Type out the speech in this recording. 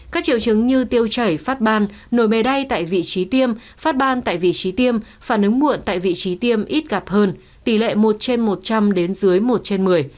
các triệu chứng như tiêu chảy phát ban nổi bề đay tại vị trí tiêm phát ban tại vị trí tiêm phản ứng muộn tại vị trí tiêm ít gặp hơn tỷ lệ một trên một trăm linh đến dưới một trên một mươi